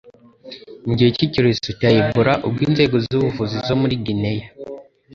mu gihe cy'icyorezo cya Ebola, ubwo inzego z'ubuvuzi zo muri Guinea,